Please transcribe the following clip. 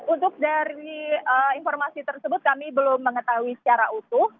untuk dari informasi tersebut kami belum mengetahui secara utuh